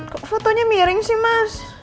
kok fotonya miring sih mas